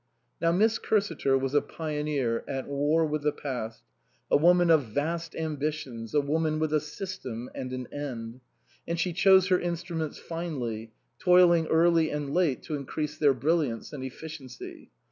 Now Miss Cursiter was a pioneer at war with the past, a woman of vast ambitions, a woman with a system and an end ; and she chose her instruments finely, toiling early and late to increase their brilliance and efficiency.